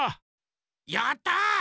やった！